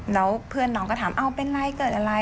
แล้วเพื่อนน้องก็ถามเอาเป็นไรเกิดอะไร